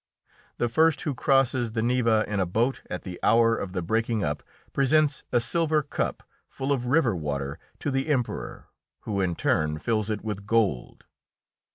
The first who crosses the Neva in a boat at the hour of the breaking up presents a silver cup, full of river water, to the Emperor, who in turn fills it with gold.